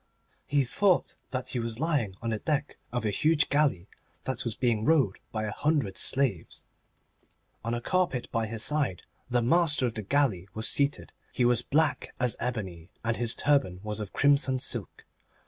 He thought that he was lying on the deck of a huge galley that was being rowed by a hundred slaves. On a carpet by his side the master of the galley was seated. He was black as ebony, and his turban was of crimson silk.